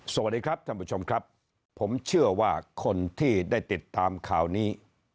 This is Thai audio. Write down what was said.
สวัสดีครับท่านผู้ชมครับผมเชื่อว่าคนที่ได้ติดตามข่าวนี้